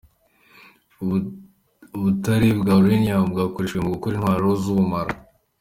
Ubutare bwa Uranium bwakoreshejwe mu gukora intwaro z’ubumara.